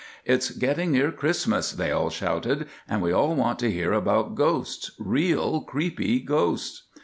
"It's getting near Christmas," they all shouted, "and we all want to hear about ghosts, real creepy ghosts."